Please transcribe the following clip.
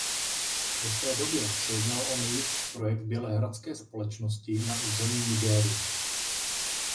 Ve své době se jednalo o největší projekt bělehradské společnosti na území Nigérie.